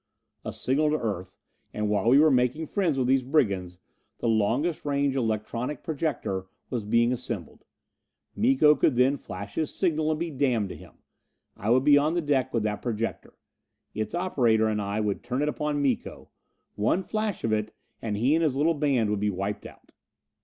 A signal to Earth. And while we were making friends with these brigands, the longest range electronic projector was being assembled. Miko then could flash his signal and be damned to him! I would be on the deck with that projector. Its operator, and I would turn it upon Miko one flash of it and he and his little band would be wiped out.